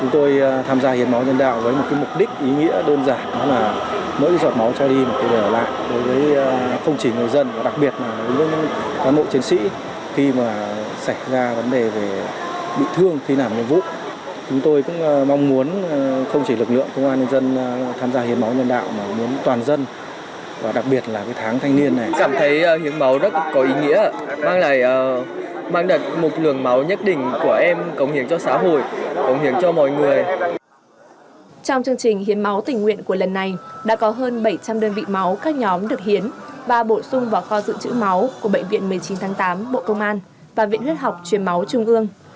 trong chương trình hiến máu tỉnh nguyện của lần này đã có hơn bảy trăm linh đơn vị máu các nhóm được hiến và bổ sung vào kho dự trữ máu của bệnh viện một mươi chín tháng tám bộ công an và viện huyết học truyền máu trung ương